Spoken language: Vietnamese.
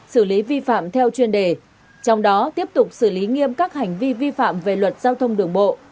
xử lý vi phạm theo chuyên đề trong đó tiếp tục xử lý nghiêm các hành vi vi phạm về luật giao thông đường bộ